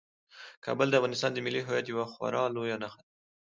کابل د افغانستان د ملي هویت یوه خورا لویه نښه ده.